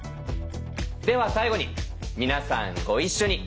では最後に皆さんご一緒に。